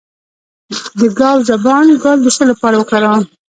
د ګاو زبان ګل د څه لپاره وکاروم؟